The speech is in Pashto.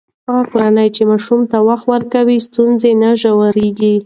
هغه کورنۍ چې ماشوم ته وخت ورکوي، ستونزې نه ژورېږي.